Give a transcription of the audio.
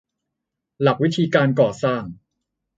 หลักวิธีการก่อสร้าง